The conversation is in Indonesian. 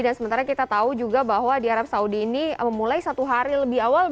dan sementara kita tahu juga bahwa di arab saudi ini memulai satu hari lebih awal